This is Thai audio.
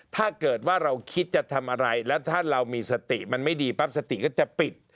ถ้าเกิดว่าเราคิดจะทำอะไรแล้วถ้าเรามีสติมันไม่ดีปั๊บสติก็จะปิด